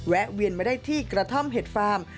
แวนมาได้ที่กระท่อมเห็ดฟาร์ม